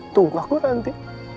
tunggu aku nanti